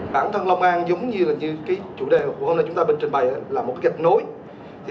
bản thân long an giống như chủ đề của hôm nay chúng ta trình bày là một gạch nối